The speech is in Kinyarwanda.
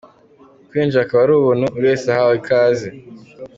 Kwinjira akaba ari ubuntu, buri wese ahawe ikaze.